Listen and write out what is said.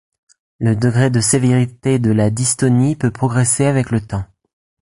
Le degré de sévérité de la dystonie peut progresser avec le temps.